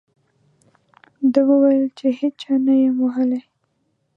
ده وویل چې هېچا نه یم ووهلی.